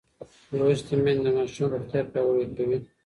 لوستې میندې د ماشوم روغتیا پیاوړې کوي.